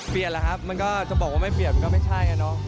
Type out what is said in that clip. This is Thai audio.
เปลี่ยนแล้วครับมันก็จะบอกว่าไม่เปลี่ยนก็ไม่ใช่นะเนอะ